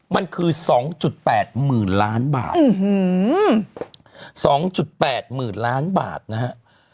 มันคือ๒๘หมื่นล้านบาท๒๘หมื่นล้านบาทนะฮะ